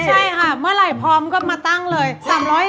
ใช่ค่ะเมื่อไหร่พร้อมก็มาตั้งเลย